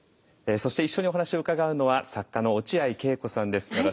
そして一緒にお話を伺うのは作家の落合恵子さんです。